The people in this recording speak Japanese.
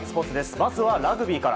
まずはラグビーから。